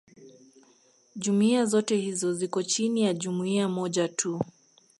jumuiya zote hizo ziko chini ya jumuiya moja tu